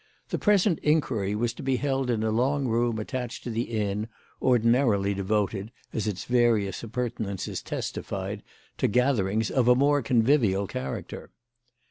The present inquiry was to be held in a long room attached to the inn, ordinarily devoted, as its various appurtenances testified, to gatherings of a more convivial character.